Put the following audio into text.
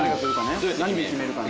何で決めるかね。